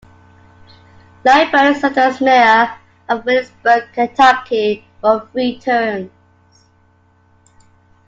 Nighbert served as mayor of Williamsburg, Kentucky for three terms.